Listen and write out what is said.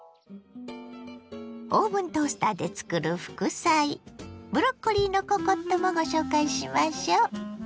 オーブントースターでつくる副菜ブロッコリーのココットもご紹介しましょ。